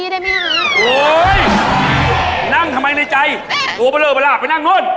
แต่ถ้าหนูสวยเท่าพี่